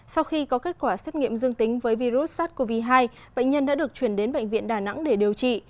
sau khi có kết quả xét nghiệm dương tính với virus sars cov hai bệnh nhân đã được chuyển đến bệnh viện đà nẵng để điều trị